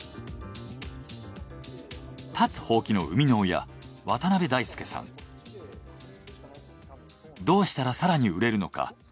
立つほうきの生みの親どうしたら更に売れるのか？